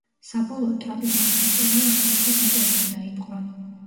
საბოლოოდ ტრაპიზონის იმპერია ოსმალეთის იმპერიამ დაიპყრო.